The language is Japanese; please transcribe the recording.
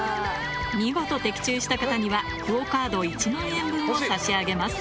見事的中した方にはＱＵＯカード１万円分を差し上げます。